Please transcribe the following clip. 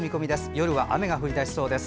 夜は雨が降り出しそうです。